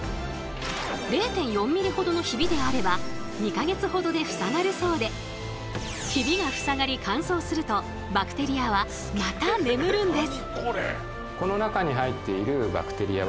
０．４ｍｍほどのヒビであれば２か月ほどでふさがるそうでヒビがふさがり乾燥するとバクテリアはまた眠るんです。